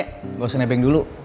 gue harus nebeng dulu